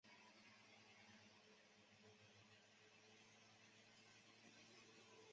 十三岁时阿肯色州的斯科特堡读高小学。